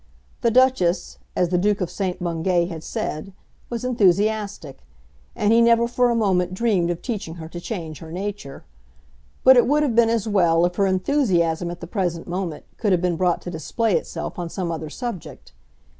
The Duchess, as the Duke of St. Bungay had said, was enthusiastic, and he never for a moment dreamed of teaching her to change her nature; but it would have been as well if her enthusiasm at the present moment could have been brought to display itself on some other subject.